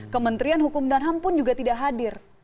kementerian hukum dan ham pun juga tidak hadir